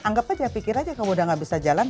anggap aja pikir aja kalau udah gak bisa jalan